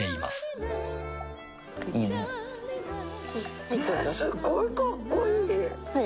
ねぇすごいかっこいい。